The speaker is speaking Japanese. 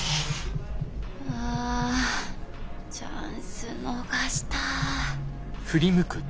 あチャンス逃した。